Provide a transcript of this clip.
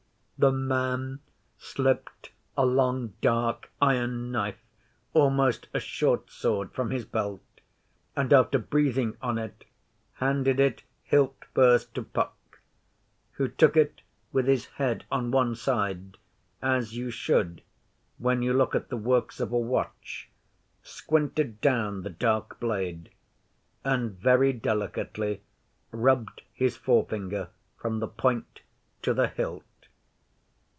The man slipped a long dark iron knife, almost a short sword, from his belt, and after breathing on it, handed it hilt first to Puck, who took it with his head on one side, as you should when you look at the works of a watch, squinted down the dark blade, and very delicately rubbed his forefinger from the point to the hilt.